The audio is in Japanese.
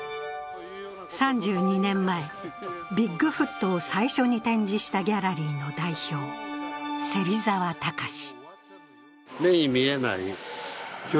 ３２年前、ビッグフットを最初に展示したギャラリーの代表・芹沢高志